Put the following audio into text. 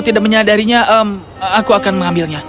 poin mengumpul karena aku tak mengerti apa